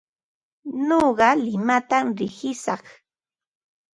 Nuqa limatam riqishaq.